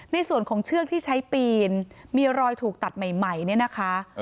ในส่วนของเชือกที่ใช้ปีนมีรอยถูกตัดใหม่เนี่ยนะคะ